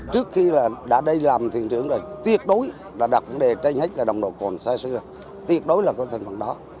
trước khi đã đây làm thuyền trưởng rồi tiệt đối là đặt vấn đề tranh hếch là nồng độ côn xa xưa tiệt đối là có thành phần đó